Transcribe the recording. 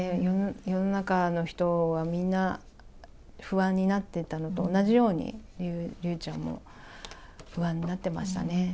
世の中の人がみんな、不安になっていたのと同じように、竜ちゃんも不安になってましたね。